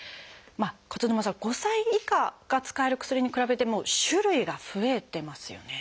勝沼さん５歳以下が使える薬に比べても種類が増えてますよね。